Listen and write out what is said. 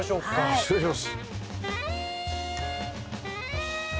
失礼します。